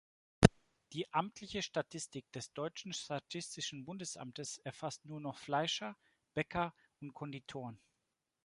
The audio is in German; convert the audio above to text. Die amtliche Statistik des deutschen statistischen Bundesamtes erfasst nur noch Fleischer, Bäcker und Konditoren.